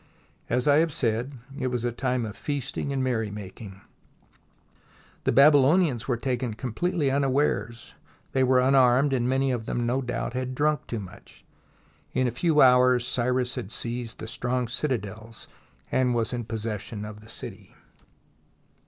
As I have said, it was a time of feasting and merry making. The Babylonians were taken completely unawares, were unarmed, many of them no doubt had drunk too much, and in a few hours Cyrus had seized the strong citadels and was in possession of the city.